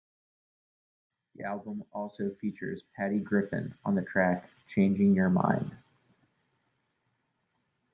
The album also features Patty Griffin on the track "Changing Your Mind".